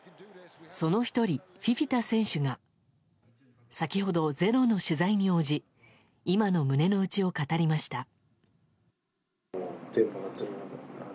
その１人、フィフィタ選手が先ほど「ｚｅｒｏ」の取材に応じ今の胸の内を語りました。